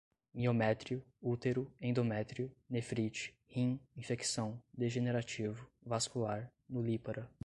miométrio, útero, endométrio, nefrite, rim, infecção, degenerativo, vascular, nulípara